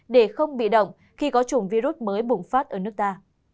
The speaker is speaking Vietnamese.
để không bị động khi có chủng virus mới bùng phát ở nước ta